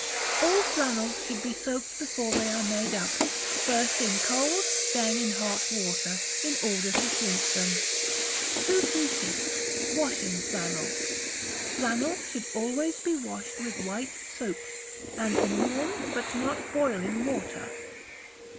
All Flannels should be soaked before they are made up, first in cold, then in hot water, in order to shrink them. 2266. Washing Flannel. Flannel should always he washed with white soap, and in warm but not boiling water.